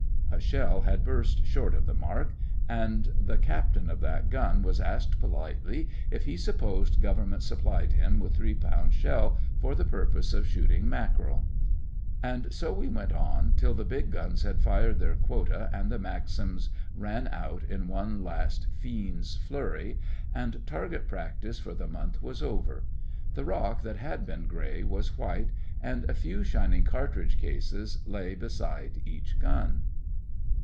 A shell had burst short of the mark, and the captain of that gun was asked politely if he supposed Government supplied him with three pound shell for the purpose of shooting mackerel. And so we went on, till the big guns had fired their quota and the Maxims ran out in one last fiends' flurry, and target practice for the month was over. The rock that had been grey was white, and a few shining cartridge cases lay beside each gun.